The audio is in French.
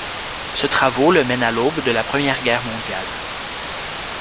Ce travaux le mènent à l'aube de la Première Guerre mondiale.